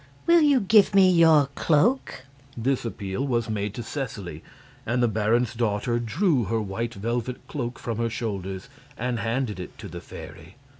Will you give me your cloak?" This appeal was made to Seseley, and the baron's daughter drew her white velvet cloak from her shoulders and handed it to the fairy.